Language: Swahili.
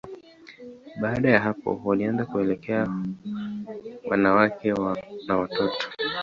Baada ya hapo, walianza kuelekea wanawake na watoto.